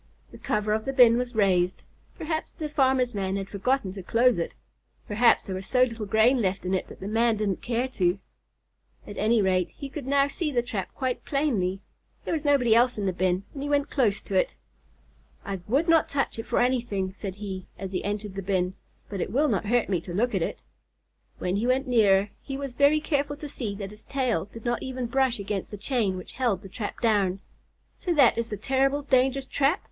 The cover of the bin was raised. Perhaps the farmer's man had forgotten to close it. Perhaps there was so little grain left in it that the man didn't care to. At any rate, he could now see the trap quite plainly. There was nobody else in the bin, and he went close to it. "I would not touch it for anything," said he, as he entered the bin, "but it will not hurt me to look at it." When he went nearer, he was very careful to see that his tail did not even brush against the chain which held the trap down. "So that is the terrible, dangerous trap?"